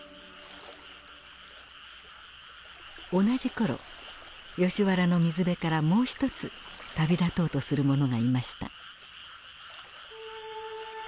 同じころヨシ原の水辺からもう一つ旅立とうとするものがいました。